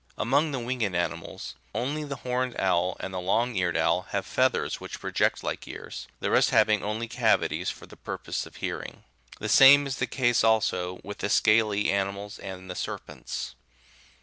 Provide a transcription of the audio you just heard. Among the winged animals, only the horned owl and the long eared owl have feathers which project like ears, the rest having only cavities for the purpose of hearing ; the same is the case, also, with the scaly animals and the serpents.